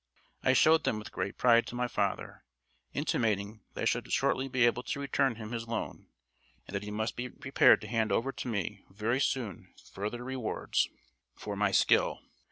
I showed them with great pride to my father, intimating that I should shortly be able to return him his loan, and that he must be prepared to hand over to me very soon further rewards for my skill.